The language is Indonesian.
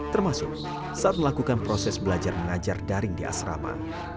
termasuk saat melakukan proses belajar mengajar daring di asrama